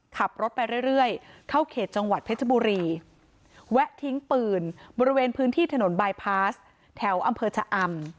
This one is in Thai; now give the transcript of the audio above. ขับรถไปเรื่อยเข้าเขตจังหวัดเพชรบุรีแวะทิ้งปืนบริเวณพื้นที่ถนนบายพาสแถวอำเภอชะอำ